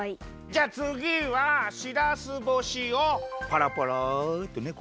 じゃあつぎはしらす干しをぱらぱらってね